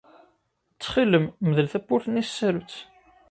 Ttxil-m mdel tawwurt-nni s tsarut.